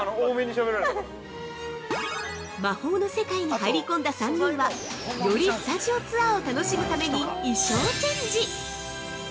◆魔法の世界に入り込んだ３人はよりスタジオツアーを楽しむために衣装チェンジ！